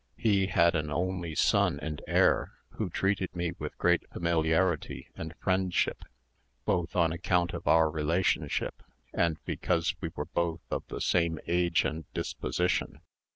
He had an only son and heir, who treated me with great familiarity and friendship, both on account of our relationship, and because we were both of the same age and disposition.